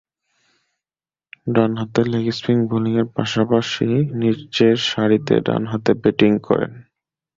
ডানহাতে leg spin বোলিংয়ের পাশাপাশি নিচের সারিতে ডানহাতে ব্যাটিং করেন।